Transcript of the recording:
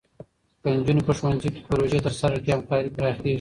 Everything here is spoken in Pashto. که نجونې په ښوونځي کې پروژې ترسره کړي، همکاري پراخېږي.